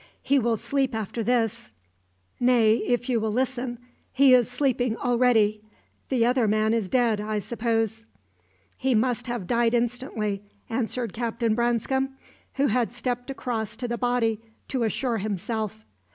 He will sleep after this; nay, if you will listen, he is sleeping already. The other man is dead, I suppose?" "He must have died instantly," answered Captain Branscome, who had stepped across to the body to assure himself.